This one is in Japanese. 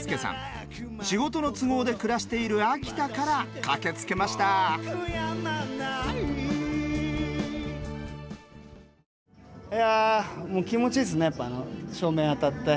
仕事の都合で暮らしている秋田から駆けつけましたいや。